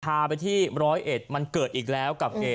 พาไปที่ร้อยเอ็ดมันเกิดอีกแล้วกับเหตุ